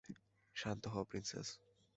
শান্ত হও প্রিন্সেস!